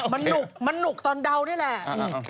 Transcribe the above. มันหนุกมันหนุกตอนเดานี่แหละ